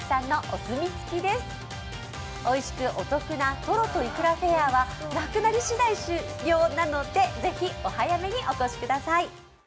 おいしくお得なとろといくらフェアはなくなり次第終了なので是非、お早めにお越しください。